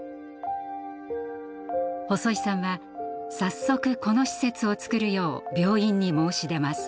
細井さんは早速この施設をつくるよう病院に申し出ます。